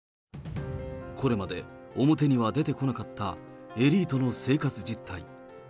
これまで表には出てこなかったエリートの生活実態。